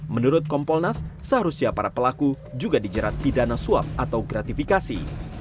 menurut kompolnas seharusnya para pelaku juga dijerat pidana suap atau gratifikasi